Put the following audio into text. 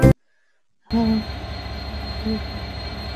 আহা, এটা কোনো বড়ো সমস্যা না।